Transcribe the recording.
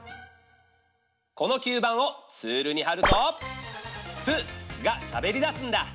この吸盤をツールにはると「プ」がしゃべりだすんだ！